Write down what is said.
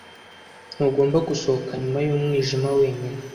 Ntugomba gusohoka nyuma yumwijima wenyine.